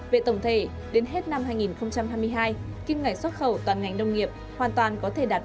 về tổng thể đến hết năm hai nghìn hai mươi hai kim ngạch xuất khẩu toàn ngành nông nghiệp hoàn toàn có thể đạt